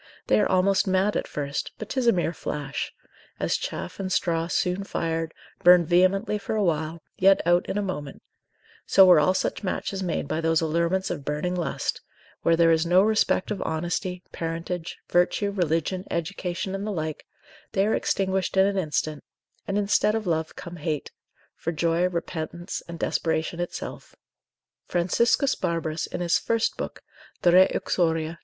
they are almost mad at first, but 'tis a mere flash; as chaff and straw soon fired, burn vehemently for a while, yet out in a moment; so are all such matches made by those allurements of burning lust; where there is no respect of honesty, parentage, virtue, religion, education, and the like, they are extinguished in an instant, and instead of love comes hate; for joy, repentance and desperation itself. Franciscus Barbarus in his first book de re uxoria, c.